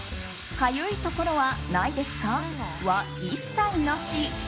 かゆいところはないですか？は一切なし。